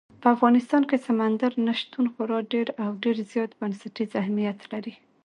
په افغانستان کې سمندر نه شتون خورا ډېر او ډېر زیات بنسټیز اهمیت لري.